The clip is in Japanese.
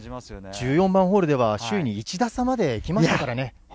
１４番ホールでは首位に１打差まで来ましたからね。